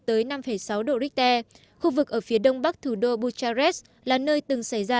tới năm sáu độ richter khu vực ở phía đông bắc thủ đô bucharest là nơi từng xảy ra